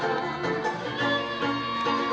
adalah kerajaan yang lebih baik